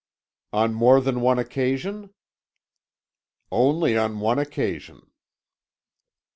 "On more than one occasion." "Only on one occasion."